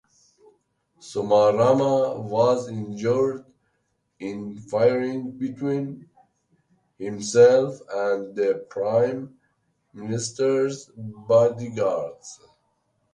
Somarama was injured in firing between himself and the Prime Minister's bodyguards.